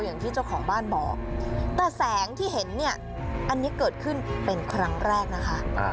อย่างที่เจ้าของบ้านบอกแต่แสงที่เห็นเนี่ยอันนี้เกิดขึ้นเป็นครั้งแรกนะคะ